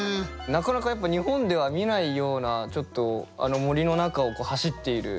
なかなか日本では見ないような森の中を走っている。